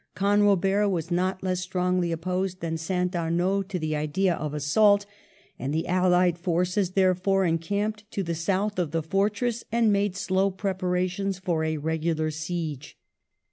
Canrobert was not less strongly opposed than St. Aniaud to the idea of assault, and the allied forces, therefore, encamped to the south of the fortress, and made slow preparations for a regular siege.